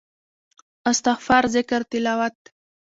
استغفار ذکر تلاوت